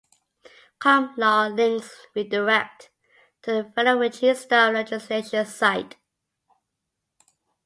ComLaw links redirect to the Federal Register of Legislation site.